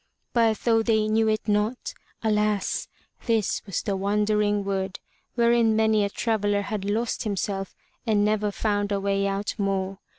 But, though they knew it not, alas! this was the Wandering Wood, wherein many a traveller had lost himself and never found a way out more.